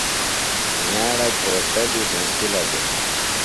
نِیھاڑہ گھوݜٹہ بیۡ ہنسِلہ دےۡ۔